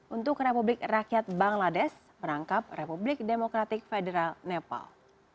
untuk republik rakyat bangladesh merangkap republik demokratik federal nepal